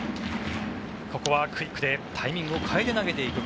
ここはクイックでタイミングを変えて投げていく。